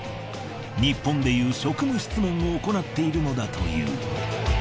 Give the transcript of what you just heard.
日本でいう職務質問を行っているのだという。